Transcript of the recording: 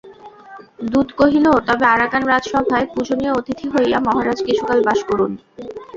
দূত কহিল, তবে আরাকান-রাজসভায় পূজনীয় অতিথি হইয়া মহারাজ কিছু কাল বাস করুন।